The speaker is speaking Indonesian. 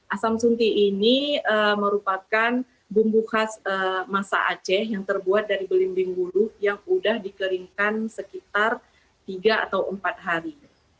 asam sunti ini merupakan bumbu khas masa aceh yang terbuat dari belimbing bulu yang sudah dikeringkan sekitar tiga atau empat hari